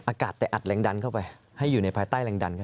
อากาศแต่อัดแรงดันเข้าไปให้อยู่ในภายใต้แรงดัน